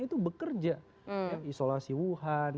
itu bekerja isolasi wuhan